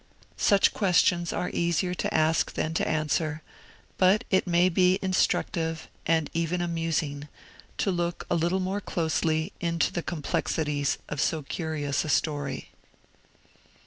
Such questions are easier to ask than to answer; but it may be instructive, and even amusing, to look a little more closely into the complexities of so curious a story.